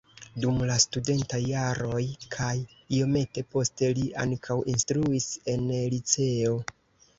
Dum la studentaj jaroj kaj iomete poste li ankaŭ instruis en liceo.